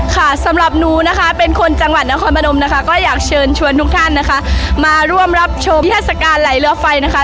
สำหรับหนูนะคะเป็นคนจังหวัดนครพนมนะคะก็อยากเชิญชวนทุกท่านนะคะมาร่วมรับชมนิทัศกาลไหลเรือไฟนะคะ